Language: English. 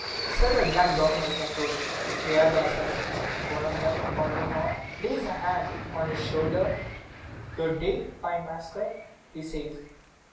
Several black dominos approach. They are the assassins. One of them, Count de Horn, lays a hand on his shoulder: "Good day, fine masker!" he says.